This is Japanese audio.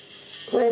これ！